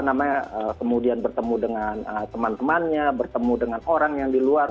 namanya kemudian bertemu dengan teman temannya bertemu dengan orang yang di luar